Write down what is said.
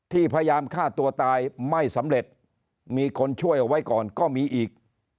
พยายามฆ่าตัวตายไม่สำเร็จมีคนช่วยเอาไว้ก่อนก็มีอีก